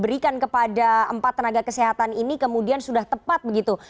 berikan kepada empat tenaga kesehatan ini kemudian sudah tepat begitu